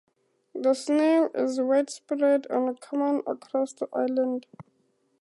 The snail is widespread and common across the island.